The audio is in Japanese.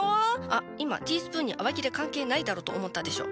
あっ今ティースプーンに洗剤いらねえだろと思ったでしょ。